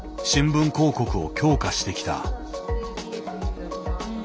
新聞広告を強化してきた。